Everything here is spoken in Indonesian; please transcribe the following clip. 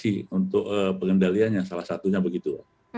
jadi itu adalah satu prediksi untuk pengendalian yang salah satunya begitu